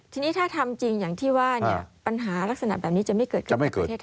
ทีนี้ถ้าทำจริงอย่างที่ว่าเนี่ยปัญหาลักษณะแบบนี้จะไม่เกิดขึ้น